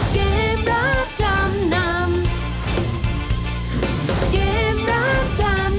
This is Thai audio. สวัสดีครับสวัสดีครับ